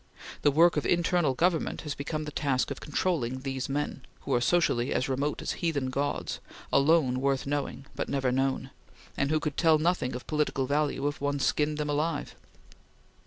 The work of internal government has become the task of controlling these men, who are socially as remote as heathen gods, alone worth knowing, but never known, and who could tell nothing of political value if one skinned them alive.